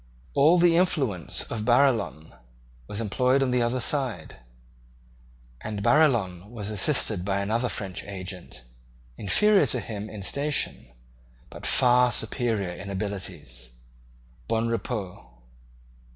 All the influence of Barillon was employed on the other side; and Barillon was assisted by another French agent, inferior to him in station, but far superior in abilities, Bonrepaux.